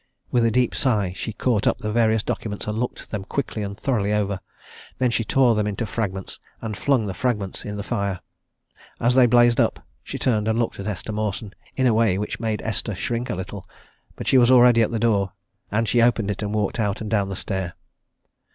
With a deep sigh she caught up the various documents and looked them quickly and thoroughly over. Then she tore them into fragments and flung the fragments in the fire and as they blazed up, she turned and looked at Esther Mawson in a way which made Esther shrink a little. But she was already at the door and she opened it and walked out and down the stair.